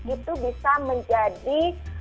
itu bisa menjadi